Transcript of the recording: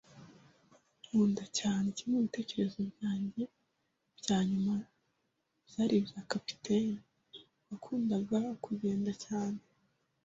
nkunda cyane. Kimwe mubitekerezo byanjye byanyuma byari ibya capitaine, wakundaga kugenda cyane